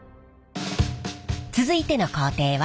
続いての工程は。